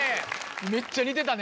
めっちゃ似てたね